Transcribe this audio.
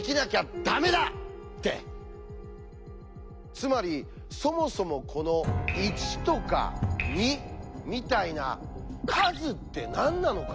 つまりそもそもこの「１」とか「２」みたいな数って何なのか？